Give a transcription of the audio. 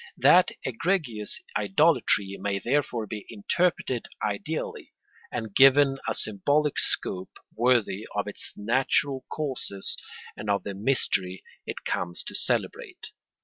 That egregious idolatry may therefore be interpreted ideally and given a symbolic scope worthy of its natural causes and of the mystery it comes to celebrate.